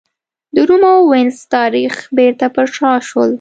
د روم او وینز تاریخ بېرته پر شا شول.